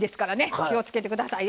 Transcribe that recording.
気をつけてくださいよ。